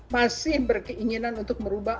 masih berkeinginan untuk merubah